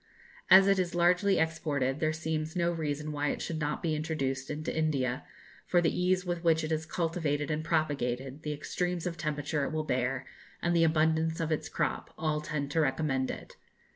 As it is largely exported, there seems no reason why it should not be introduced into India, for the ease with which it is cultivated and propagated, the extremes of temperature it will bear, and the abundance of its crop, all tend to recommend it.